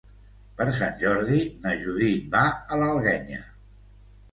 Per Sant Jordi na Judit va a l'Alguenya.